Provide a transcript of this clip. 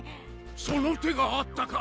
その手があったか。